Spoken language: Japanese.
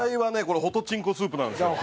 このホトチンコスープなんですよ。